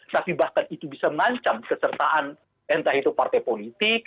tapi bahkan itu bisa mengancam kesertaan entah itu partai politik